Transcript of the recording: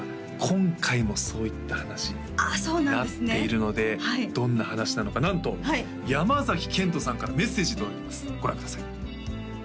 今回もそういった話になっているのでどんな話なのかなんと山賢人さんからメッセージ届いていますご覧ください